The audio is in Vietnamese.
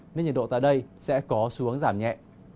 nên nhiệt độ tại đây sẽ có xuống giảm nhẹ